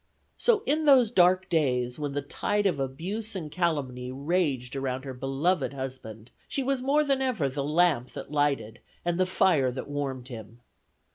So in those dark days, when the tide of abuse and calumny raged around her beloved husband, she was more than ever the lamp that lighted and the fire that warmed him.